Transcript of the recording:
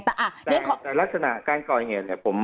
แต่ลักษณะการก่อเหตุเนี่ย